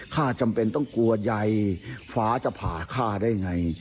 ข้าจำเป็นต้องกัวใยฟ้าจะผาข้าได้ไง